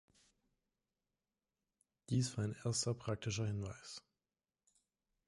Dies war ein erster praktischer Hinweis.